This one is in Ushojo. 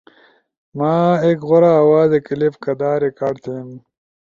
ما ایک غورا آوازے کلپ کدا ریکارڈ تھیم؟